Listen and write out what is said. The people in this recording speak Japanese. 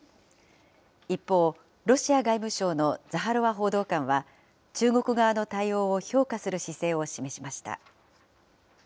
一方、ロシア外務省のザハロワ報道官は、中国側の対応を評価する姿勢を示しました。